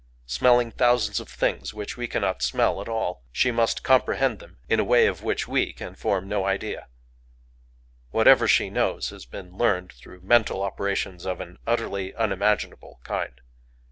Smelling thousands of things which we cannot smell at all, she must comprehend them in a way of which we can form no idea. Whatever she knows has been learned through mental operations of an utterly unimaginable kind.